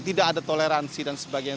tidak ada toleransi dan sebagainya